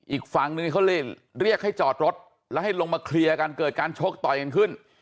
อีกฝั่งนึงเขาเลยเรียกให้จอดรถแล้วให้ลงมาเคลียร์กันเกิดการชกต่อยกันขึ้น